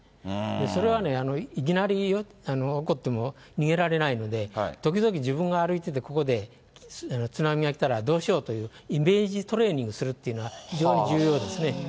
それはね、いきなり起こっても逃げられないので、時々自分が歩いててここで津波が来たらどうしようというイメージトレーニングするっていうのは、非常に重要ですね。